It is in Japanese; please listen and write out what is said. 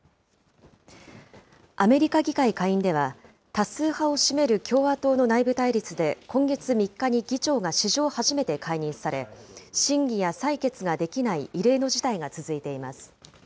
アメリカ議会下院では、多数派を占める共和党の内部対立で今月３日に議長が史上初めて解任され、審議や採決ができない異例の事態が続いています。